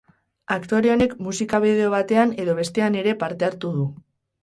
Aktore honek musika-bideo batean edo bestean ere parte hartu du.